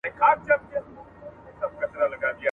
چايي د زهشوم له خوا څښل کيږي؟!